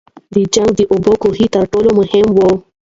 د جنګ د اوبو کوهي تر ټولو مهم وو.